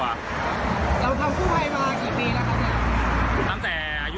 แล้วทางคู่ภัยมากี่ปีแล้วครับเนี่ย